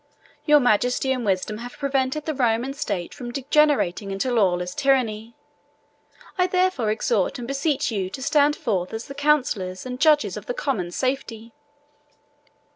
Your majesty and wisdom have prevented the Roman state from degenerating into lawless tyranny. I therefore exhort and beseech you to stand forth as the counsellors and judges of the common safety."